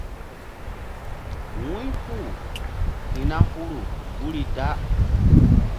Wu̧ypu hi̧ na huru guri da.